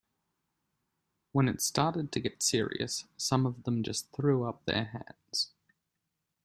When it started to get serious, some of them just threw up their hands.